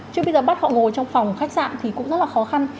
chứ bây giờ bắt họ ngồi trong phòng khách sạn thì cũng rất là khó khăn